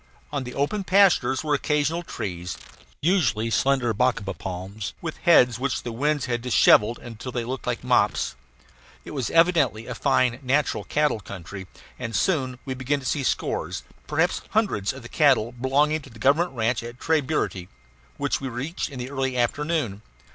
On the open pastures were occasional trees, usually slender bacaba palms, with heads which the winds had dishevelled until they looked like mops. It was evidently a fine natural cattle country, and we soon began to see scores, perhaps hundreds, of the cattle belonging to the government ranch at Tres Burity, which we reached in the early afternoon.